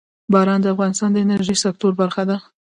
باران د افغانستان د انرژۍ سکتور برخه ده.